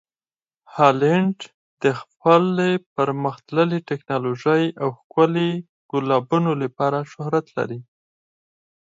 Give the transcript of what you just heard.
هالنډ د خپلې پرمخ تللې ټکنالوژۍ او ښکلي ګلابونو لپاره شهرت لري.